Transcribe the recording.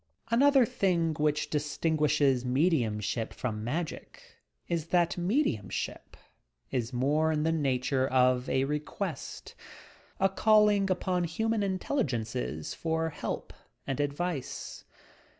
Another thing which distinguishes mediumship from magic, is that mediumship is more in the nature of a request, — a calling upon human intelligences for help and advice.